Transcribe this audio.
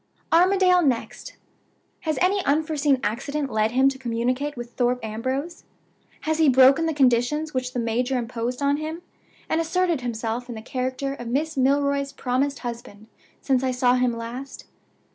"Armadale next. Has any unforeseen accident led him to communicate with Thorpe Ambrose? Has he broken the conditions which the major imposed on him, and asserted himself in the character of Miss Milroy's promised husband since I saw him last?